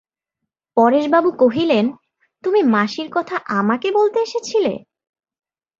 পরেশবাবু কহিলেন, তুমি তোমার মাসির কথা আমাকে বলতে এসেছিলে?